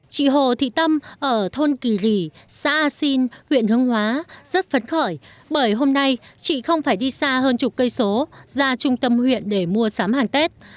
chị hồ thị tâm ở thôn kỳ rì xã a xin huyện hương hóa rất phấn khởi bởi hôm nay chị không phải đi xa hơn chục cây số ra trung tâm huyện để mua sắm hàng tết